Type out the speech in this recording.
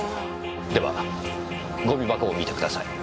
ではゴミ箱を見てください。